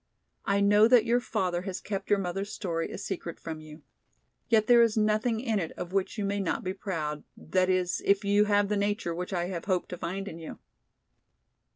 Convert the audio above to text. I know that your father has kept your mother's story a secret from you. Yet there is nothing in it of which you may not be proud, that is, if you have the nature which I have hoped to find in you."